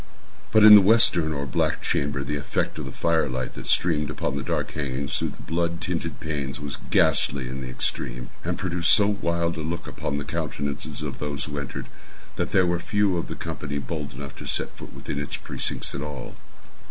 But in the western or black chamber the effect of the fire light that streamed upon the dark hangings through the blood tinted panes, was ghastly in the extreme, and produced so wild a look upon the countenances of those who entered, that there were few of the company bold enough to set foot within its precincts at all.